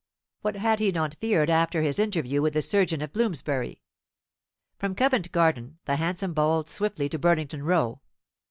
What had he not feared after his interview with the surgeon of Bloomsbury! From Covent Garden the hansom bowled swiftly to Burlington Row.